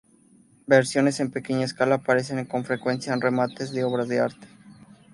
Versiones en pequeña escala aparecen con frecuencia en remates de obras de arte.